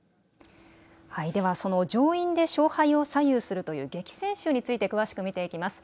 ではその上院で勝敗を左右するという激戦州について詳しく見ていきます。